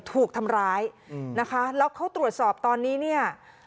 ถูกทำร้ายนะคะแล้วเขาตรวจสอบตอนนี้เนี่ย